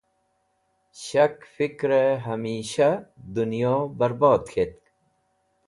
Shak fikrẽ hamisha dẽnyo bẽrbod k̃hetk.